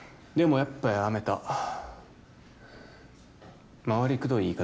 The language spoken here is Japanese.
やっぱやめた回りくどい言い方